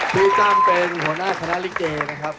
พี่ตั้มเป็นหัวหน้าคณะลิเกนะครับ